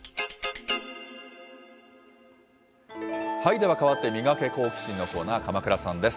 では変わって、ミガケ、好奇心！のコーナー、鎌倉さんです。